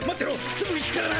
すぐ行くからな。